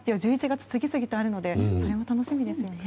１１月、次々とあるのでそれも楽しみですね。